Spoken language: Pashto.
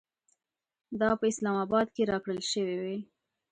دا په اسلام اباد کې راکړل شوې وې.